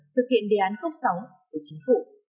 thực hiện đề án cốc sáu của chính phủ